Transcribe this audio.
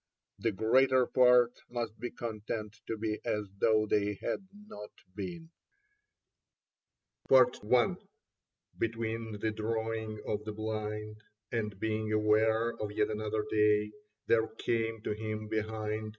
" The greater part must be content to be as though they had not been." Soles Occidere et Redire Possunt 57 BETWEEN the drawing of the blind And being aware of yet another day There came to him behind